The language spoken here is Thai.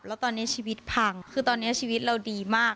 แล้วตอนนี้ชีวิตพังคือตอนนี้ชีวิตเราดีมาก